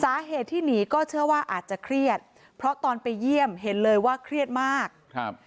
สาเหตุที่หนีก็เชื่อว่าอาจจะเครียดเพราะตอนไปเยี่ยมเห็นเลยว่าเครียดมากครับ